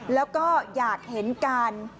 แล้วก็อยากเห็นการ